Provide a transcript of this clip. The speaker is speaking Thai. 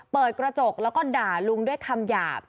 เปิดกระจกแล้วก็ด่าลุงด้วยคำหยาบ